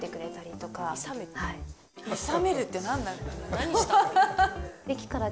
何したの？